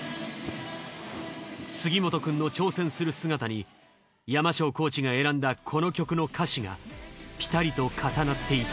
杉本くんの挑戦する姿にＹＡＭＡＳＨＯコーチが選んだこの曲の歌詞がピタリと重なっていく。